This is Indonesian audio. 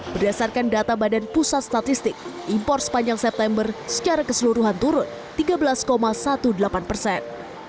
berdasarkan data badan pusat statistik impor sepanjang september secara keseluruhan turun tiga belas delapan belas persen